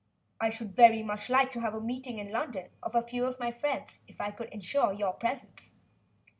I should very much like to have a meeting in London of a few of my friends, if I could ensure your presence."